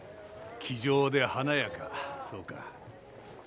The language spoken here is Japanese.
気丈で華やかそうか。